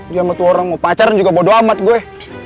dia sama tuh orang mau pacaran juga bodoh amat gue